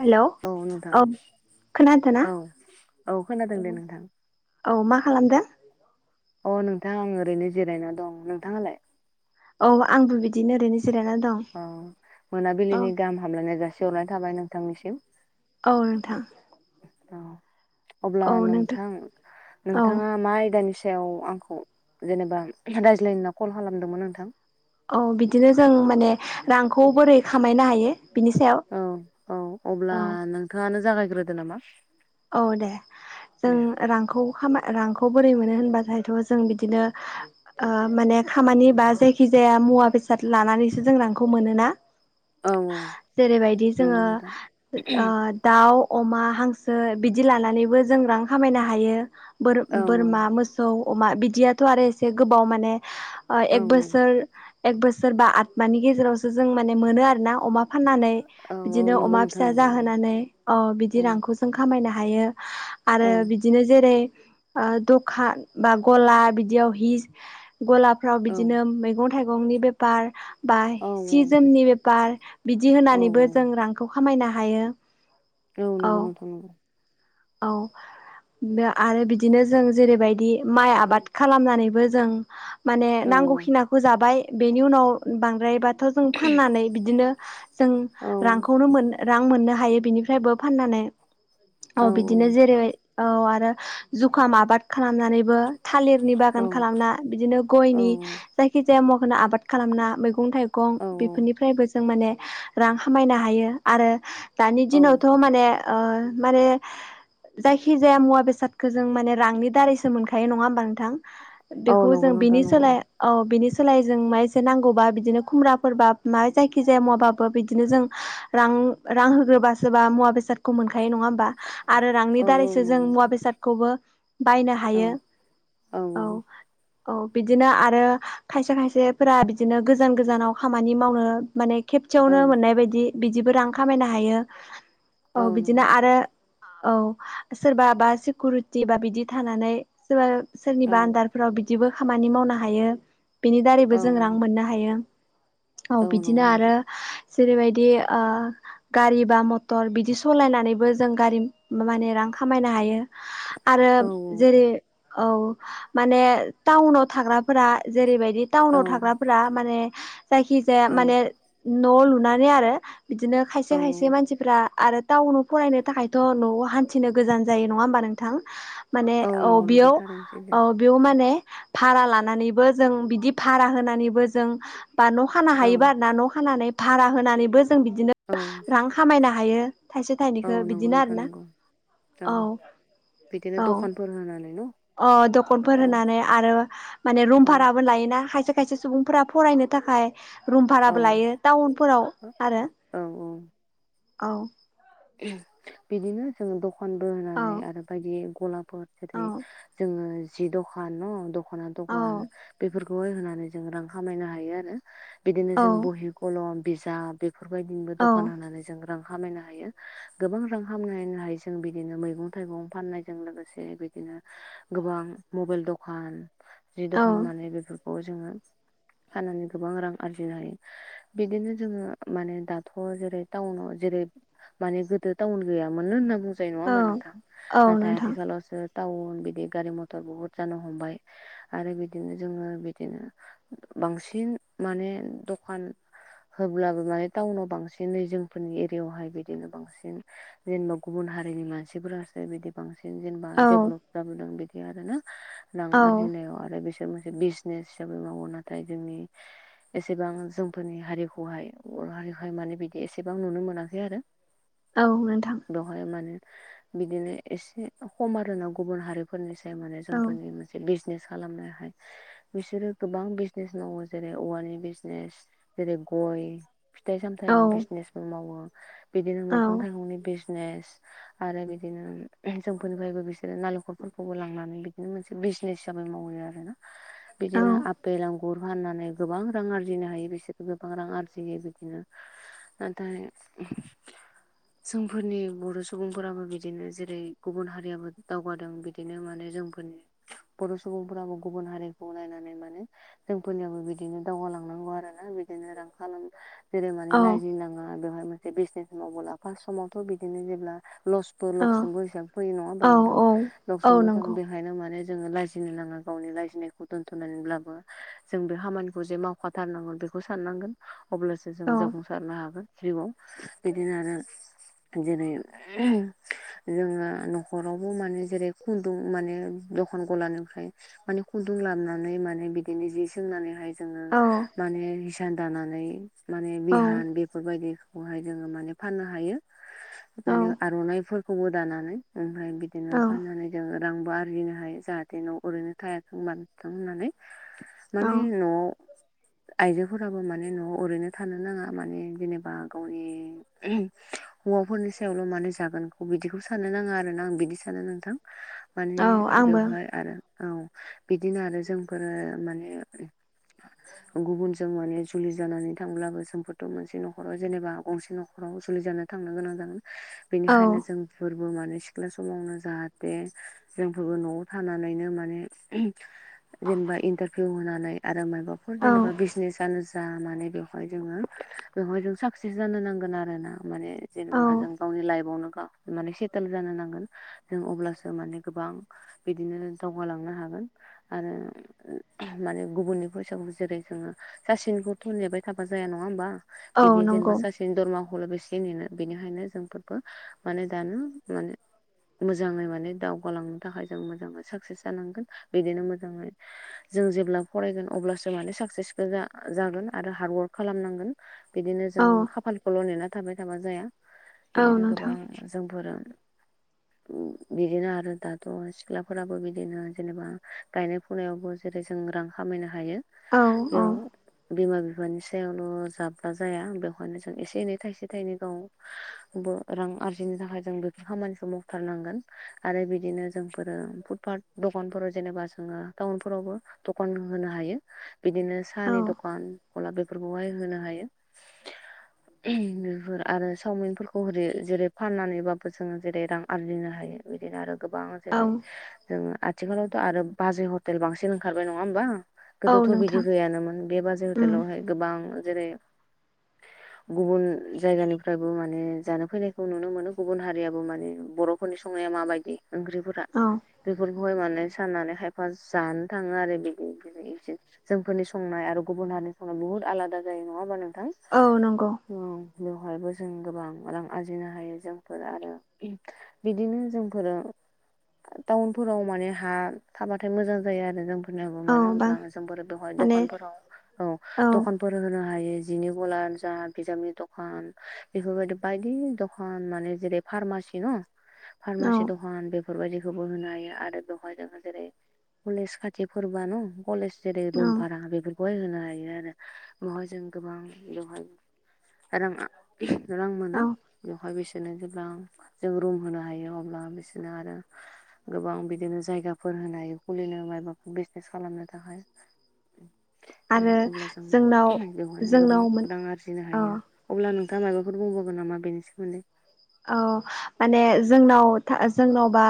Hello औ नोंथां खोनादोंना औ औ खोनादों दे नोंथां। औ मा खालामदों। अ' नोंथा आं ओरैनो जिरायना दं नोंथाङालाय। औ आंबो बिदिनो ओरैनो जिरायना दं। अ' औ मोनाबिलिनि गाहाम हामलायनाय जासि हरनाय थाबाय नोंथांनिसिम। औ नोंथां। औ अब्ला नोंथां औ नोंथाङा मा आयदानि सायाव आंखौ खौ जेनेबा रायज्लायनो होनना कल खालामदोंमोन नोंथां। औ बिदिनो जों माने रांखौ बोरै खामायनो हायो। बिनि सायाव औ - औ अब्ला औ नोंथाङानो जागायग्रोदो नामा। औ दे जों दे रांखौ खामाय रांखौ बोरै मोनो होनबाथायथ जों बिदिनो ओ माने खामानि बा जायखिजाया मुवा बेसाद लानानैसो जों रांखौ मोनोना। औ औ जेरैबायदि जोङो नंगौ नोंथां ओ दाउ अमा हांसो बिदि लानानैबो जों रां खामायनो हायो। औ बोर-बोरमा मोसौ अमा बिदियाथ' आरो एसे गोबाव माने ओ औ एक बोसोर एक बोसोर बा आथमानि गेजेरावसो जों माने मोनो आरो ना अमा फाननानै औ औ बिदिनो नंगौ अमा नोंथां फिसा नंगौ नंगौ जाहोनानै अ औ बिदिनो रांखौ जों खामायनो हयो‌ औ आरो बिदिनो बिदिनो जेरै ओ दखा बा गला बिदियाव हि गला फ्राव औ बिदिनो मैगं थाइगंनि बेफार बा औ सि जोमनि बेपार बिदि औ होनानैबो जों रांखौ खामायनो‌ हायो। औ नंगौ नोंथां ओं। औ आरो बिदिनो जों जेरैबायदि माइ आबाद खालामनानैबो जों माने औ नांगौखिनाखो जाबाय बेनि उनाव बांद्रायबाथ' जों फाननानै बिदिनो जों औ रांखौनो मोन रां मोननो हायो बिनिफ्रायबो फाननानै। औ बिदिनो जेरै औ आरो जुखाम आबाद खालामनानैबो थालिरनि औ बागान खालामना बिदिनो औ गयनि जायखि जाया मुवाखोनो आबाद खालामना मैगं मैगं थाइगं औ बेफोरनिफ्रायबो जों माने रां खामायनो हायो आरो दानि औ दिनावथ माने ओ माने जायखिजाया मुवा बेसादखौ जों माने रांनि दारैसो मोनखायो नङा होमबा नोंथां? औ बेखौ जों नंगौ नोंथां बिनि नंगौ। सोलाय औ बिनि सोलायै जों मा एसे नांगौबा बिदिनो खुमब्राफोरबा माबा जायखिजाया माबाबो बिदिनो जों रां रां होग्रोबासो बा मुवा बेसादखौ मोनखायो नङा होमबा? आरो रांनि औ औ दारैसो जों नंगौ मुवा नोंथां बेसादखौबो बायनो औ हायो औ। औ बिदिनो आरो खायसे खायसेफोरा बिदिनो गोजान गोजानाव खामानि मावनो माने खेबसेयावनो मोननाय बायदि बिदिबो रां खामायनो हायो औ बिदिनो आरो औ सोरबा बा सिकुउरिटि बा बिदि थानानै सोरबा औ सोरनिबा आन्दार फ्राव बिदिबो खामानि मावनो हायो बिनि दारैबो औ जों रां मोननो हायो। औ बिदिनो आरो जेरैबायदि ओ गारि बा मटर बिदि सलायनानैबो जों गारि माने रां खामायनो हायो आरो औ जेरै औ माने टाउनाव थाग्राफोरा जेरैबायदि बिदि औ टाउनाव थाग्राफोरा माने जायखिजाया औ माने न' लुनानै आरो बिदिनो खायसे औ खायसे मानसिफ्रा आरो टाउनाव फरायनो थाखाय थ' न'आव हान्थिनो गोजान जायो नङा होमबा नोंथां माने औ नंगौ नोंथां बेयाव थारैनो सैथो औ बेयाव माने भारा लानानैबो जों बिदि भारा होनानैबो जों बा न' खानो औ हायोबा आरो ना न' खानानै भारा होनानैबो जों बिदिनो औ रां खामायनो हायो। थाइसे थाइनैखो बिदि थ'नंगौ औ बिदिनो औ दखानफोर होनानै न'। अ दखानफोर औ होनानै आरो माने औ रुमभाराबो लायोना खायसे खायसे सुबुंफोरा फरायनो थाखाय रुम भाराबो लायो टाउनफोराव आरो औ औ औ। बिदिनो जों दखनबो औ होनानै आरो बायदि गला बहद औ बिदि जोङो जि दखान न दख'ना दखान औ बेफोरखौहाय होनानै जों रां खामायनो हायो आरो बिदिनो औ जों बहि, कलम, बिजाब बेफोरबायदिनोबो दखान होनानै जों रां खामायनो हायो। गोबां रां खामायनो हायो जों बिदिनो मैगं थाइगं फाननायजों लोगोसे बिदिनो गोबां मबाइल दखान, जि औ दखान माने बेफोरखौ जोङो फाननानै गोबां रां आरजिनो हायो। बिदिनो जोङो माने दाथ' जेरै टाउनाव जेरै माने गोदो टाउन गैयामोननो होनना बुंजायो नङा औ होमबा नोंथां औ नाथाय नोंथां आथिखालावसो टाउन बिदि गारि मथर बिदि बहुत जानो हमबाय। आरो बिदिनो जोङो बिदिनो बांसिन माने दखान होब्लाबो माने टाउनाव बांसिनै जोंफोरनि एरियायावहाय बि दिनो बांसिन जेनेबा गुबुन हारिनि मानसिफोरासो बिदि बांसिन जेनेबा औ देबलभलप जाबोदों बिदि आरो ना रां औ आरजिनायाव आरो बिसोर मोनसे बिज नेस हिसाबै मावो नाथाय जोंनि एसेबां जोंफोरनि हारिखौहाय बर' हारिखौहाय माने बिदि एसेबां नुनो मोनाखै आरो। औ नोंथां। बेवहाय माने बिदिनो एसे खम आरोना गुबुन हारिफोरनिसाय माने औ जोंफोरनि मोन से बिजनेस खालामनो हाय बिसोरो गोबां बिजनेस मावो जेरै औवानि बिजनेस, जेरै गय। फिथाइ औ सामथाइनि बिजनेसबो मावो। बिदिनो मैगं औ थाइगंनि बिजनेस आरो बिदिनो जोंफोरनिफ्रायबो बिसोरो नालेंखलफोरखौबो लांनानै बिद बिदिनो मोनसे बिजनेस हिसाबै मावैयो आरोना औ बिदिनो आब पेल आंगुर फाननानै गोबां रां आरजिनो हायो बिसोर गोबां रां आरजियो बिदिनो। नाथाय जोंफोरनि बर' सुबुंफोराबो बिदिनो जेरै गुबुन हारियाबो दावगादों बिदिनो माने जोंफोरनि बर' सुबुंफोराबो गुबुन हारिखौ नायनानै माने जोंफोरनियाबो बिदिनो दावगालांनांगौ आरोना बि दिनो रां खालाम जेरै माने औ लाइजिनो नाङा बेवहाय मोनसे बिजनेस बोला फास समावथ' बिदिनो जेब्ला लस बो लकसनबो हिसाबै फैयो नङा होनबा औ नोंथां औ औ लकसनबो जों नंगौ बे हायनो माने जोङो लाजिनो नाङा गावनि लाजिनायखौ दोनथ'नानैब्लाबो जों बे खामानिखौ जे माव खाथारनांगोन बेखौ साननांगोन अब्लासो जोंङो औ जाफुंसारनो हागोन जिउआव। बिदिनो आरो [unintelligible] जोङो न'खरावबो माने जेरै खुन्दुं माने दखान गलानिफ्राय माने खुन्दुं लाबनानै माने बिदिनो जि सोंनानैहाय जोंङो औ माने हिसान दानानै माने औ बिहान बेफोरबायदिखौहाय जोङो माने फाननो हायो औ माने आर'नाइफोरखौबो दानानै। ओमफाय बिदिनो फाननानै जोङो रांबो आरजिनो हायो जाहाथे न' ओरैनो थायाथों मानोथों होननानै। औ माने न'आव आइजोफोराबो माने न'आव ओरैनो थानो नाङा माने जेनेबा गावनि हौवाफोरनि सायावल' माने जागोनखौ बिदिखौ सानोनो नाङा आरो ना आं बिदि सानो नोंथां। माने औ आंबो बेवहाय आरो औ बिदिनो आरो जोंफोरो माने गुबुनजों माने जुलि जानानै थांब्लाबो समोमफथ' मोनसे न'खराव जेनेबा गंसे न'खराव जुलि जानो थांनो गोनां जागोन औ बेनिखायनो जों फोरबो माने सिख्ला समावनो जाहाथे जोंफोरबो न'आव थानानैनो माने जेनेबा इन्टारभिउ होनानै आरो माबाफोर औ जेनेबा बिजनेसनो जा माने बेवहाय जोङो बेवहाय जों साकसेस जानो नांगोन आरोना माने औ जेनेबा जों गावनि लाइफआवनो गा माने सेटेल जानो नांगोन जों अब्लासो माने गोबां बिदिनो दावगालांनो हागोन आरो माने गुबुननि फैसाखौ जेरै जोङो सासेनिखौथ' नेबाय थाबा जाया नङा होमबा औ बिदि जेनबा नंगौ बिनि दरमाखौ बेसे नेनो बेनिखायनो जोंबो माने दानो माने मोजाङै माने दावगालांनो थाखाय जों मोजाङै साक्सेस जानांगोन बिदिनो मोजाङै जों जेब्ला फरायगोन अब्लासो माने साकसेसफुल जा जागोन आरो हार्डवार्क खालामनांगोन। बिदिनो जों औ खाफालखौल' नेना थाबाय थाबा जाया औ बिदिनो नोंथां गोबां जोंफोरा उम बिदिनो आरो दाथ' सिख्लाफोराबो बिदिनो जेनेबा गायनाय फुनायावबो जेरै जों रां खामायनो हायो। औ औ बेयाव बिमा बिफानि सायावल' जाब्ला जाया बे [unintelligible] एसे एनै थाइसे थाइनै गावबो रां आरजिनो थाखाय जों बेफोर खामानिखौ माव। थारनांगोन आरो बिदिनो जोंफोरो फुटपाट दखानफोराव जेनेबा जोङो टाउनफोरावबो दखान होनो हायो बिदिनो औ साहानि दखान गलाप बेफोरखौहाय होनो हायो। बेफोर आरो सावमिनफोरखौ होरै जेरै फाननानैबाबो जोङो जेरै रां आरजिनो हायो। बेदिनो आरो गोबां औ जेरै जोंङो आथिखालावथ' आरो बाजै हटेल बांसिन ओंखारबाय नङा होमबा औ गोदोथ' नोंथां बिदि गैयानोमोन बे बाजै उम हटेलावहाय गोबां जेरै [inaudible] गुबुन जायगानिफ्रायबो माने जानो फैनायखौ नुनो मोनो गुबुन हारियाबो माने बर' खरनि संनाया माबायदि ओंख्रिफोरा औ बेफोरखौहाय माने साननानै खायफा जानो थाङो आरो बिदि [unintelligible] जोंफोरनि संनाय आरो गुबुन हारिनि संनाय बहुद आलादा जायो नङा होमबा नोंथां। औ नंगौ। ओं बेवहायबो जों गोबां रां आरजिनो हायो जोंफोर आरो [unintelligible] बिदिनो जोंफोरो टाउनफोराव माने हा थाबाथाय मोजां जायो आरो जों होन्नाय अबाव औ मानो बां होनब्ला जों बोरै बेवहाय माने दखानफोराव औ दखानफोर होनो हायि जिनि गल जा बिजाबनि दखान बेफोरबायदि बायदि दखान माने जेरै फारमासि न' [inaudible] फारमासि दखान बे बेफोरबायदिखौबो होनो हायो आरो बेवहाय जोंङो जेरै कलेज खाथि फोरबो न कलेज जेरै औ रुम भारा बेफोरखौहाय होनो हायो आरो [unintelligible] जों गोबां। बेवहाय रां आ रां मोनो बेवहाय बेसे बिदिनो गौबां जों रुम होनो हायो अब्ला बिसोरनो आरो गोबां बिदिनो जायगाफोर होनो हायो खुलिनो मायबाफोर बिजनेस खालामनो थाखाय। बेव आरो अब्ला जों जोंनाव बेवहायनो गोबां जोंनाव मोन रां आरजिनो औ हायो अब्ला नोंथाङा मायबाफोर बुंबावगोन नामा बेनि सोमोन्दै? औ माने जोंनाव था जोंनावबा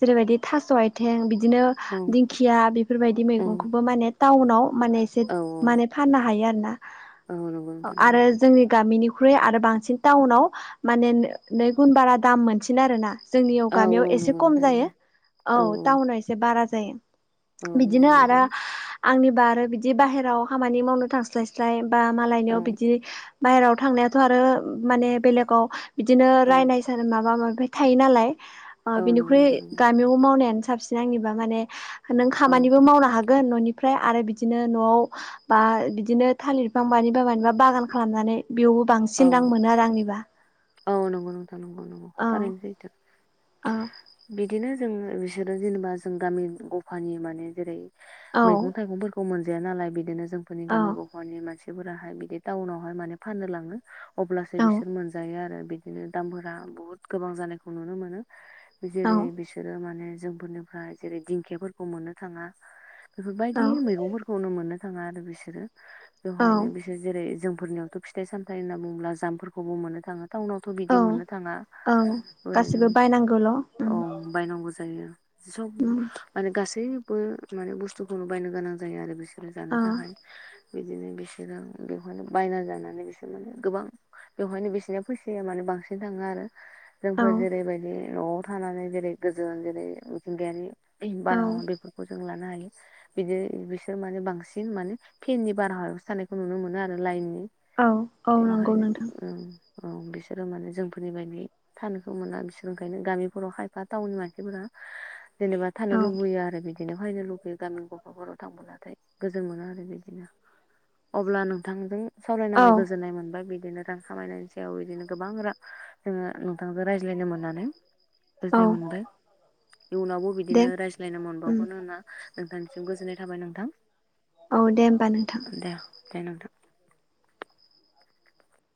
जेरैबायदि थास' आथिं बिदिनो औ दिंखिया बेफोरबायदि औ मैगंखौबो माने टाउनाव माने जेब औ माने फाननो हायो आरोना औ नंगौ अ' नोंथां आरो नंगौ जोंनि गामिनिख्रुइ आरो बांसिन टाउनाव माने नै नै गुन बारा दाम मोनसिनो आरोना। जोंनियाव औ गामियाव औ एसे नंगौ खम नोंथां जायो नंगौ औ टाउनाव एसे बारा जायो। औ औ बिदिनो नंगौ आरो आंनिबा आरो बिदि बाहेराव खामानि मावनो थांस्लाय स्लाय बा मालायनियाव औ बिदि बाहेरायाव थांनायाथ' आरो माने बेलेगाव बिदिनो औ रायनायस माबा माबि थायो नालाय ओ औ नंगौ बिनिख्रुइ नोंथां नंगौ गामियाव मावनायानो साबसिन आंनिबा माने नों औ खामानिबो मावनो हागोन न'नि फ्राय आरो बिदिनो न'आव बा बिदिनो थालिर फिफां मानिबा मानिबा बागान खालामनानै बेयावबो बांस औ सिन रां मोनो आरो आंनिबा। औ नंगौ नोंथां नंगौ नंगौ थारैनो सैथो। ओ बिदिनो जों बिसोरो जेनेबा जों गामि गफानि माने जेरै औ मैगं-थाइगंफोरखौ मोनजाया नालाय बिदिनो जोंफोरनि गामि ग' फानि मानसिफोराहाय बिदि टाउनावहाय माने फाननो लाङो। अब्लासो औ बिसोर मोनजायो आरो बिदिनो दामफोरा बहुत गोबां जानायखौ नुनो मोनो। जेरै बिसोरो माने जोंफोरनिफ्रा जेरै दिंखियाफोरखौ मोननो थाङा। बेफोर औ बायदि मैगंफोरखौनो मोननो थाङा आरो बिसोरो औ बेवहायनो बिसोर जेरै जोंफोरनियाव थ' फिथाइ-सामथाय होनना बुङोब्ला जाम्बफोरखौबो मोननो थाङ [unintelligible] टाउनावथ' बिदि औ मोननो थाङा औ ओरैनो गासिबो बायनांगौल' औ उम बायनांगौ जायो। सब उम माने गासैबो माने बुस्थुखौनो बायनो गोनां जायो आरो बिसो जानो औ थाखाय बिदिनो बिसोरो बेवहायनो बायना जानानै बिस [unintelligible] गोबां बेवहायनो बिसिना फैसाया माने बांसिन थाङो आरो। औ जोंफोर जेरैबायदि न'आव थानानै जेरै गोजोन जेरै मिथिंगायारि [unintelligible] औ बारहावा बेफोरखौ जों लानो हायो। बिदि बिसोर माने बांसिन माने फेननि बारहायावसो थानायखौ नुनो मोनो आरो लाइननि। औ औ नंगौ बेवहायनो नोंथां ओं औ बिसोरो माने जोंफोरनि बायदि थानोखौ मोना बिसोर ओंखायनो गामिफोराव खायफा टाउननि मानसिफोरा जेनेबा थानो औ लुबैयो आरो बिदि। बेनिखायनो लकेल गामि ग'फा'फोराव थांबोलाथाय गोजोन मोनो आरो बिदिनो। अब्ला नोंथां बे औ सावरायनानै गोज गोजोननाय मोनबाय बिदिनो रां खामायनायनि सायाव इदिनो गोबां रां जोङो नोंथांजों रायज्लायनो मोननानै। औ गोजोननाय मोनबाय इयुनावबो दे बिदिनो रायज्लायनो उम मोनबावगोननो होनना नोंथांनिसिम गोजोननाय थाबाय नोंथां। औ दे होमबा नोंथां। दे दे नोंथां।